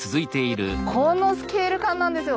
このスケール感なんですよ。